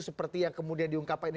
seperti yang kemudian diungkapkan ini